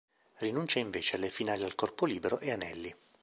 Rinuncia invece alle finali al corpo libero e anelli.